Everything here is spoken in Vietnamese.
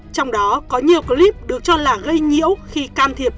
trong đó có nhiều clip được cho là gây nhiễu khi can thiệp